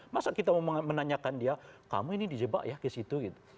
masa kita mau menanyakan dia kamu ini dijebak ya ke situ gitu